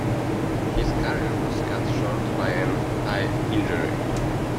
His career was cut short by an eye injury.